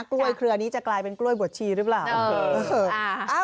กล้วยเครือนี้จะกลายเป็นกล้วยบวชชีหรือเปล่า